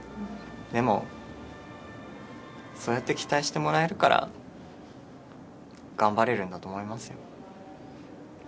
でも、そうやって期待してもらえるから頑張れるんだと思いますよ。